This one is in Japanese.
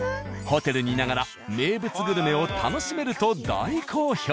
ホテルにいながら名物グルメを楽しめると大好評。